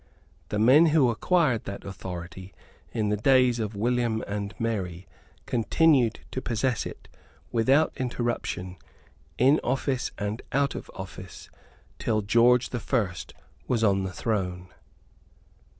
The men who acquired that authority in the days of William and Mary continued to possess it, without interruption, in office and out of office, till George the First was on the throne.